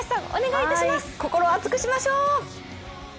心を熱くしましょう！